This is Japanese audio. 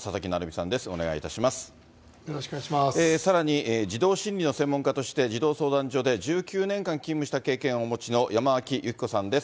さらに児童心理の専門家として児童相談所で１９年間勤務した経験をお持ちの、山脇由貴子さんです。